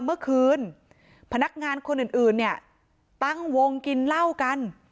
เมื่อคืนพนักงานคนอื่นเนี่ยตั้งวงกินเหล้ากัน